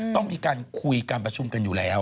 ต้องมีการคุยการประชุมกันอยู่แล้ว